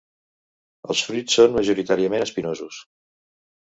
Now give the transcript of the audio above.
Els fruits són majoritàriament espinosos.